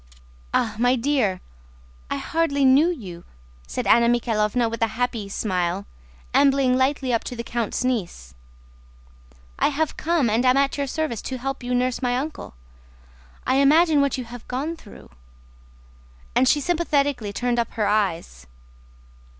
"Ah, my dear, I hardly knew you," said Anna Mikháylovna with a happy smile, ambling lightly up to the count's niece. "I have come, and am at your service to help you nurse my uncle. I imagine what you have gone through," and she sympathetically turned up her eyes.